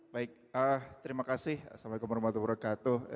baik terima kasih assalamualaikum warahmatullahi wabarakatuh